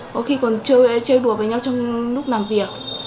có khi còn chơi đùa với nhau trong lúc làm việc